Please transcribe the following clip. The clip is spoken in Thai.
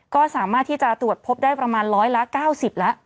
ก็สามารถที่จะตรวจพบได้ประมาณร้อยละ๙๐แล้ว